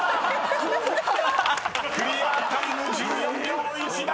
［クリアタイム１４秒１７！］